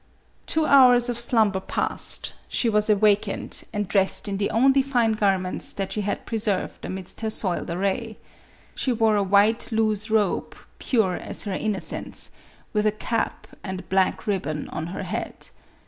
Two hours of slumber passed ; she was awakened, and dressed in the only fine garments that she had preserved amidst her soiled array. She wore a white loose robe, pure as her innocence, with a cap and black ribbon on her head.